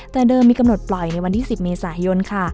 แต่เดิมมีกำหนดปล่อยในวันที่๑๐เมษายนค่ะ